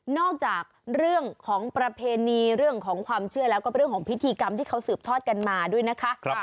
จากเรื่องของประเพณีเรื่องของความเชื่อแล้วก็เป็นเรื่องของพิธีกรรมที่เขาสืบทอดกันมาด้วยนะคะ